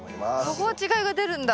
そこは違いが出るんだ。